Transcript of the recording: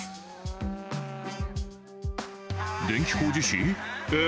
電気工事士？え？